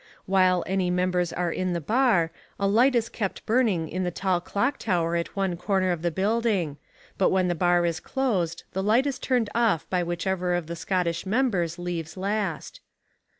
While any members are in the bar a light is kept burning in the tall Clock Tower at one corner of the building, but when the bar is closed the light is turned off by whichever of the Scotch members leaves last.